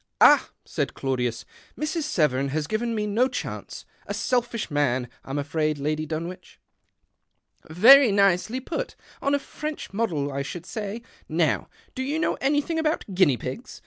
"Ah!" said Claudius, "Mr. Severn has ^iven me no chance. A selfish man, I'm ifraid, Lady Dunwich." " Very nicely put. On a French model, " should say. Now, do you know anything ibout guinea pigs